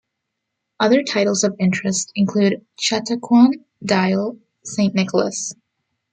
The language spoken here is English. Other titles of interest include "Chatauquan", "Dial", "Saint Nicholas".